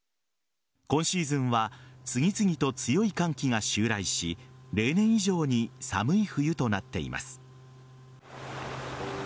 今シーズンは次々と強い寒気が襲来し例年以上に寒い冬となっています。